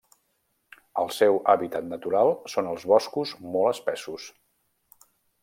El seu hàbitat natural són els boscos molt espessos.